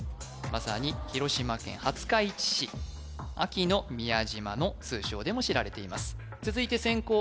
まさに広島県廿日市市安芸の宮島の通称でも知られています続いて先攻